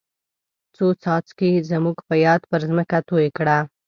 څو څاڅکي زموږ په یاد پر ځمکه توی کړه.